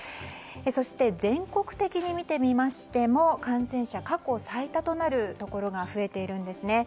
そして全国的に見てみましても感染者が過去最多となるところが増えているんですね。